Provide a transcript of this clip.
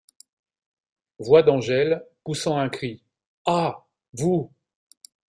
Voix d’Angèle , poussant un cri. — Ah ! vous !…